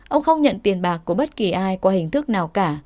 ông không nhận tiền bạc của bất kỳ ai qua hình thức nào cả